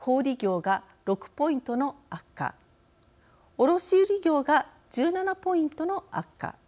卸売業が１７ポイントの悪化。